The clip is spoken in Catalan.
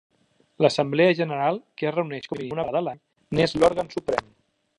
L'Assemblea General, que es reuneix com a mínim una vegada a l'any, n'és l'òrgan suprem.